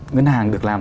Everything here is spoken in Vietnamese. ngân hàng được làm